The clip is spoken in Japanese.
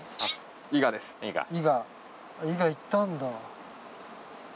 伊賀行ったんだ。